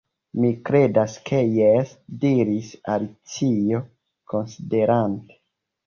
"Mi kredas ke jes," diris Alicio, konsiderante.